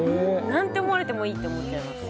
何て思われてもいいって思っちゃいます。